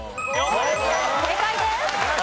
正解です。